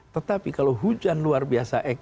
tetapi kalau hujan luar biasa